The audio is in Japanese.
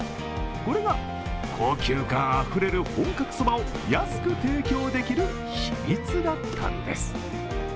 これが高級感あふれる本格そばを安く提供できる秘密だったんです。